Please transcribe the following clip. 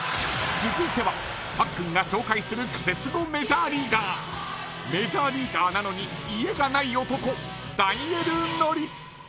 続いてはパックンが紹介するクセスゴメジャーリーガーメジャーリーガーなのに家がない男ダニエル・ノリス。